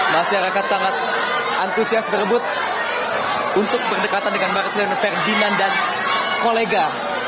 masyarakat sangat antusias berebut untuk berdekatan dengan marcelino ferdiman dan kolega